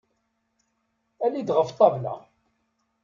Ali-d ɣef ṭṭabla!